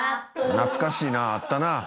懐かしいなあったな。